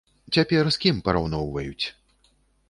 Цяпер з кім параўноўваюць?